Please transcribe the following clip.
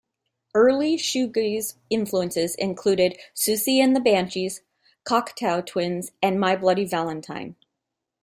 Early shoegaze influences included Siouxsie and the Banshees, Cocteau Twins, and My Bloody Valentine.